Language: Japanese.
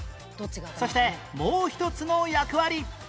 そしてもう一つの役割